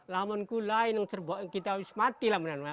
laman kulai kita harus mati laman kulai